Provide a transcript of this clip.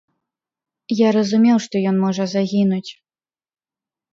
Я разумеў, што ён можа загінуць.